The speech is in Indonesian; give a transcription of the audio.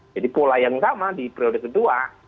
jadi pola yang pertama di prioritas kedua